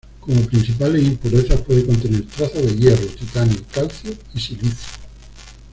Como principales impurezas puede contener trazas de hierro, titanio, calcio y silicio.